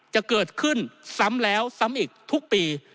จะเกิดขึ้นซ้ำแล้วซ้ำอีกทุกปี